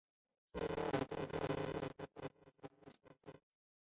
然而在建成混凝土核心部分后由于资金问题而停建。